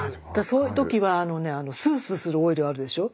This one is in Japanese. そういうときはあのねスースーするオイルあるでしょ？